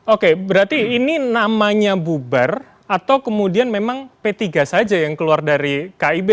oke berarti ini namanya bubar atau kemudian memang p tiga saja yang keluar dari kib